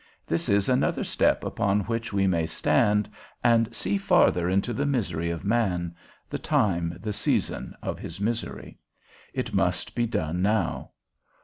This is another step upon which we may stand, and see farther into the misery of man, the time, the season of his misery; it must be done now.